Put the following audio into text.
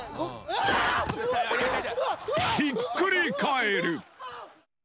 ひっくり返る。